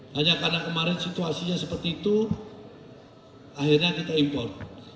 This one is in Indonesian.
hanya karena kemarin situasinya seperti itu akhirnya kita impor